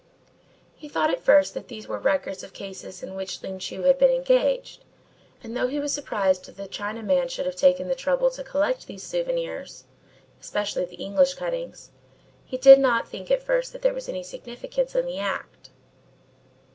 He thought at first that these were records of cases in which Ling Chu had been engaged, and though he was surprised that the Chinaman should have taken the trouble to collect these souvenirs especially the English cuttings he did not think at first that there was any significance in the act.